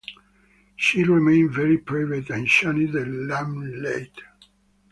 She remained very private and shunned the limelight.